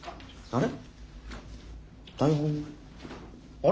あれ？